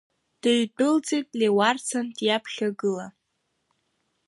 Дыҩдәылҵит, Леуарсан диаԥхьагыла.